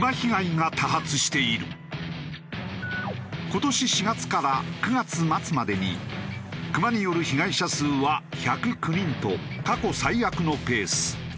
今年４月から９月末までにクマによる被害者数は１０９人と過去最悪のペース。